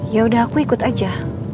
ya udah aku ikut aja